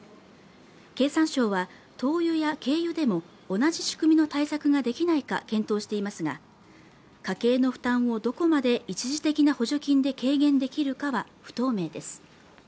経産省は、灯油や軽油でも同じ仕組みの対策ができないか検討していますが、家計の負担をどこまで一時的な補助金で軽減できるかは不透明です。